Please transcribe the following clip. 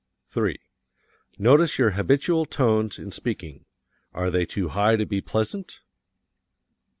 3. Notice your habitual tones in speaking. Are they too high to be pleasant?